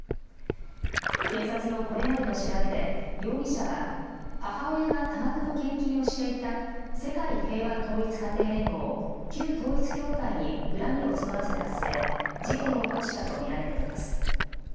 警察のこれまでの調べで、容疑者は母親が多額の献金をしていた世界平和統一家庭連合、旧統一教会に恨みを募らせた末、事件を起こしたと見られています。